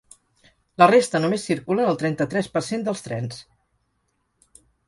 La resta només circulen el trenta-tres per cent dels trens.